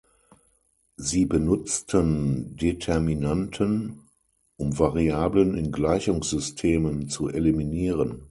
Sie benutzten Determinanten, um Variablen in Gleichungssystemen zu eliminieren.